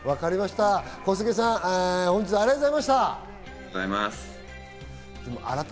小菅さん、本日はありがとうございました。